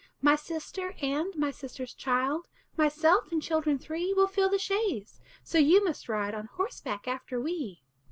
"My sister and my sister's child, Myself, and children three, Will fill the chaise; so you must ride On horseback after we."